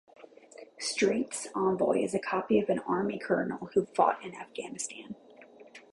Strength's Envoy is a copy of an Army Colonel who fought in Afghanistan.